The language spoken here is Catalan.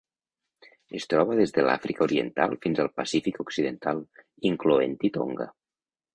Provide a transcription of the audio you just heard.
Es troba des de l'Àfrica oriental fins al Pacífic occidental, incloent-hi Tonga.